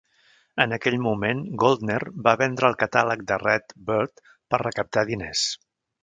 En aquell moment, Goldner va vendre el catàleg de Red Bird per recaptar diners.